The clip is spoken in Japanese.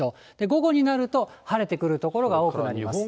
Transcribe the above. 午後になると、晴れてくる所が多くなります。